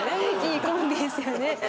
いいコンビですよね。